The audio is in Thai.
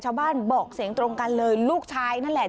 ชาวบ้านบอกเสียงตรงกันเลยลูกชายนั่นแหละ